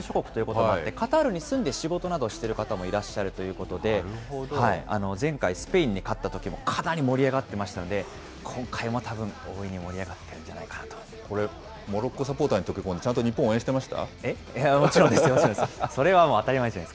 カタールと同じアラブ諸国ということもあって、カタールに住んで仕事などをしている方もいらっしゃるということで、前回、スペインに勝ったときもかなり盛り上がってましたので、今回もたぶん、大いに盛り上がってるんじゃないこれ、モロッコサポーターに溶け込んでちゃんと日本、応援してました？